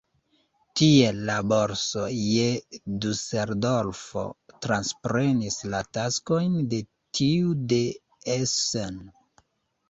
Tiel la borso je Duseldorfo transprenis la taskojn de tiu de Essen.